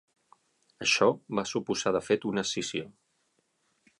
Això va suposar de fet una escissió.